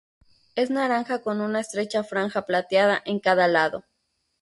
Es naranja con una estrecha franja plateada en cada lado.